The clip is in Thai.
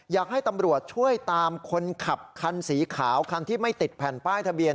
อยากให้ตำรวจช่วยตามคนขับคันสีขาวคันที่ไม่ติดแผ่นป้ายทะเบียน